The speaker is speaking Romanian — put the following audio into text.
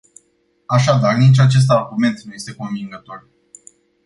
Așadar, nici acest argument nu este convingător.